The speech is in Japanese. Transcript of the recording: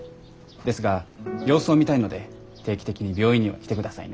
ですが様子を見たいので定期的に病院には来てくださいね。